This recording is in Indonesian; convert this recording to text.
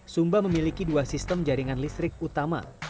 sumba memiliki dua sistem jaringan listrik utama